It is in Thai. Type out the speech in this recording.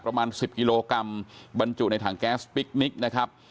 ประมาณ๑๐กิโลกรัมบรรจุในถังแก๊สพิคนิคนะครับ